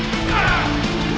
gak ada masalah